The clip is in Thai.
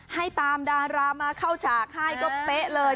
ให้ตามดารามาเข้าฉากให้ก็เป๊ะเลย